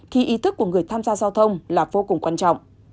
thì ý thức của người tham gia giao thông là vô cùng quan trọng